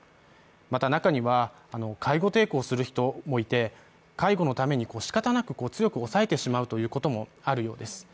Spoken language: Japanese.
また中には、介護抵抗する人もいて介護のために仕方なく強く押さえてしまうこともあるようです。